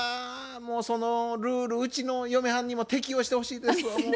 もうそのルールうちの嫁はんにも適用してほしいですわもう。